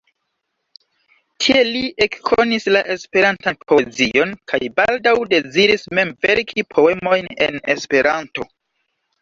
Tiel li ekkonis la Esperantan poezion, kaj baldaŭ deziris mem verki poemojn en Esperanto.